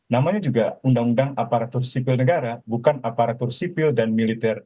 namanya juga undang undang aparatur sipil negara bukan aparatur sipil dan militer